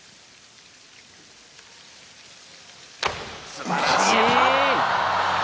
すばらしい！